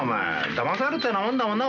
だまされたようなもんだもんな